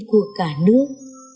của cả nước